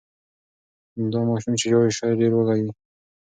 دا ماشوم چې ژاړي شاید ډېر وږی وي.